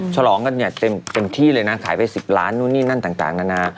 ฉลองกันเนี่ยเต็มที่เลยนะขายไป๑๐ล้านนู่นนี่นั่นต่างนานา